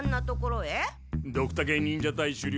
ドクタケ忍者隊首領